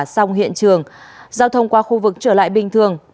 xong hiện trường giao thông qua khu vực trở lại bình thường